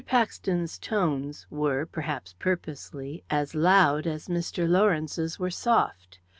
Paxton's tones were, perhaps purposely, as loud as Mr. Lawrence's were soft.